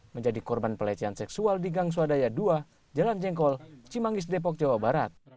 menjadi korban pelecehan seksual di gang swadaya ii jalan jengkol cimangis depok jawa barat